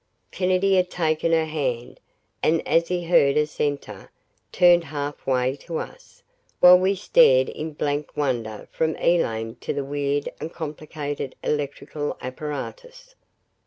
Kennedy had taken her hand, and as he heard us enter, turned half way to us, while we stared in blank wonder from Elaine to the weird and complicated electrical apparatus.